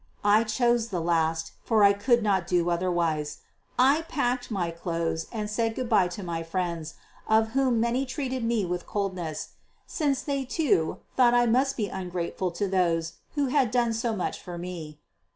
I chose the last, for I could not do otherwise. I packed my clothes and said good by to my friends, of whom many treated me with coldness, since they, too, thought I must be ungrateful to those who had done so much for me.